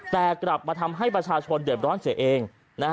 แต่กลับมาทำให้ประชาชนเดือดร้อนเสียเอง